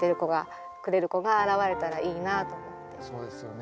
そうですよね。